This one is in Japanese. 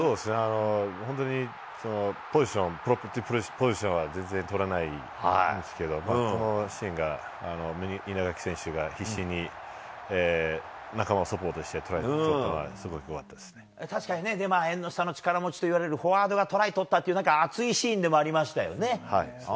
本当にプロップのポジションは全然取れないですけど、このシーンが、稲垣選手が必死に仲間をサポートしてトライ取ったのはすごいよか確かにね、縁の下の力持ちといわれるフォワードがトライを取ったという、熱いシーンでもありましたよね。